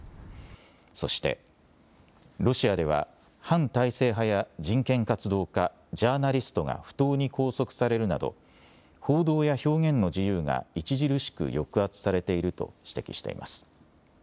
そして、ロシアでは反体制派や人権活動家、ジャーナリストが不当に拘束されるなど行動や表現の自由が著しく抑圧されていると指摘しています。